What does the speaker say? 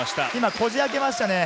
こじ開けました。